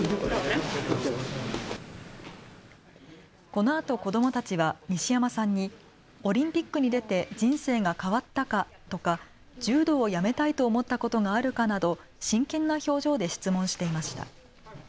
このあと、子どもたちは西山さんにオリンピックに出て人生が変わったかとか柔道を辞めたいと思ったことがあるかなど真剣な表情で質問していました。